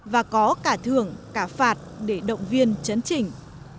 và có cả thưởng cả phạt để động viên chấn chỉnh